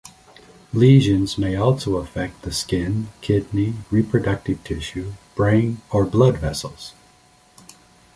Lesions may also affect the skin, kidney, reproductive tissue, brain, or blood vessels.